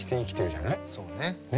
そうね。ね。